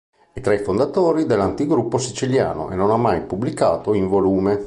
È tra i fondatori dell’"Antigruppo Siciliano" e non ha mai pubblicato in volume.